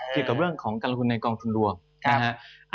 เกี่ยวกับเรื่องของการลงทุนในกองทุนรวมนะฮะ